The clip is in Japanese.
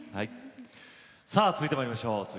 続いてまいりましょう。